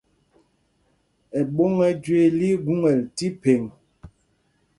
Ɛɓôŋ ɛ́ Jüee lí í gúŋɛl tí phēŋ.